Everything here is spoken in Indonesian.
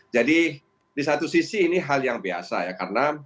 jadi di satu sisi ini hal yang biasa ya